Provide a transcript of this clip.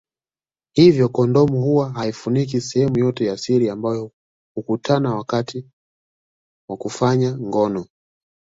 Hivyo kondomu huwa haifuniki sehemu yote ya siri ambayo hukutana wakati wa kufanya ngono